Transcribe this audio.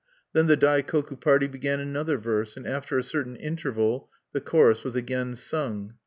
Then the Daikoku party began another verse; and, after a certain interval, the chorus was again sung.